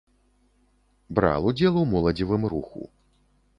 Браў удзел у моладзевым руху.